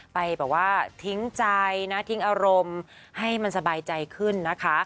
ไปแบบว่าทิ้งใจนะทิ้งอารมณ์ให้มันสบายใจขึ้นนะคะ